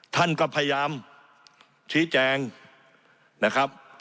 ท่านก็พยายามชี้แจงนะครับ